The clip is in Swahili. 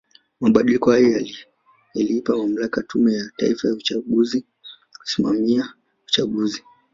Mabadiliko haya yaliipa mamlaka Tume ya Taifa ya uchaguzi kusimamia chaguzi